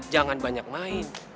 jangan banyak main